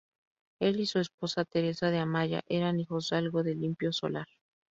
Él y su esposa Teresa de Amaya eran hijosdalgo de limpio solar.